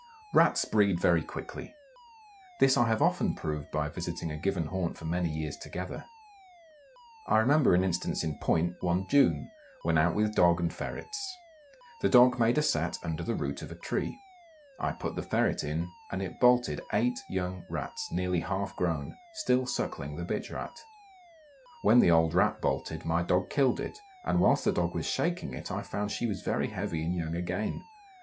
Rats breed very quickly. This I have often proved by visiting a given haunt for many years together. I remember an instance in point one June, when out with dog and ferrets. The dog made a set under the root of a tree. I put the ferret in and it bolted eight young Rats, nearly half grown, still suckling the bitch Rat. When the old Rat bolted my dog killed it, and whilst the dog was shaking it I found she was very heavy in young again.